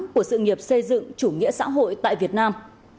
của sự nghiệp xây dựng chủ nghĩa xã hội tại việt nam